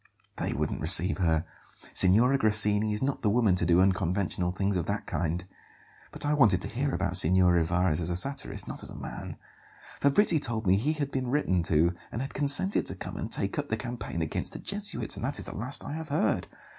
"They wouldn't receive her. Signora Grassini is not the woman to do unconventional things of that kind. But I wanted to hear about Signor Rivarez as a satirist, not as a man. Fabrizi told me he had been written to and had consented to come and take up the campaign against the Jesuits; and that is the last I have heard.